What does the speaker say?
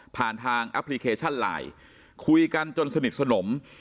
ผ่านทางแอปพลิเคชันไลน์คุยกันจนสนิทสนม